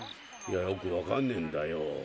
よくわかんねえんだよ。